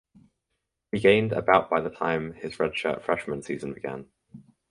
He gained about by the time his redshirt freshman season began.